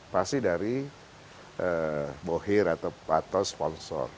pasti dari bohir atau sponsor